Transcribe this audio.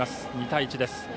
２対１です。